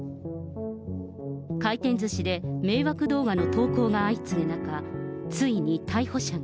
回転ずしで迷惑動画の投稿が相次ぐ中、ついに逮捕者が。